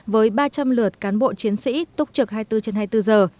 với ba trăm linh lượt cán bộ chiến sĩ túc trực hai mươi bốn trên hai mươi bốn giờ